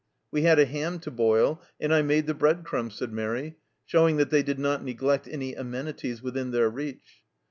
"We had a ham to boil, and I made the breadcrumbs," said Mairi, showing that they did not neglect any amenities within their reach.